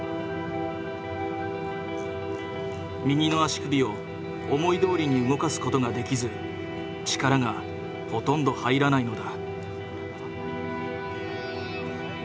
右の足首を思いどおりに動かすことができず力がほとんど入らないのだ。